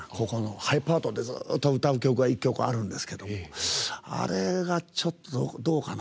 ハイパートで、ずっと歌う曲一曲あるんですけどあれが、ちょっとどうかな？